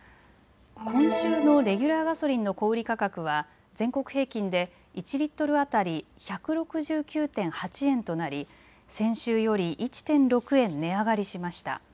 今週のレギュラーガソリンの小売価格は全国平均で１リットル当たり１６９．８円となり先週より１．６円値上がりしました。